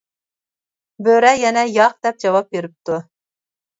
بۆرە يەنە «ياق» دەپ جاۋاب بېرىپتۇ.